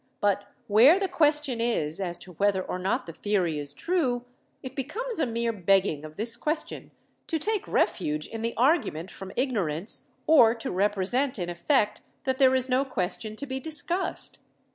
But where the question is as to whether or not the theory is true, it becomes a mere begging of this question to take refuge in the argument from ignorance, or to represent in effect that there is no question to be discussed.